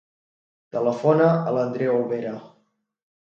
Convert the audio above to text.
Telefona a l'Andrea Olvera.